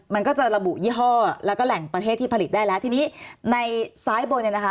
มันก็จะระบุยี่ห้อแล้วก็แหล่งประเทศที่ผลิตได้แล้วทีนี้ในซ้ายบนเนี่ยนะคะ